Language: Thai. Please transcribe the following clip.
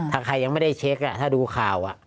ถ้าใครยังไม่ได้เช็คถ้าดูข่าว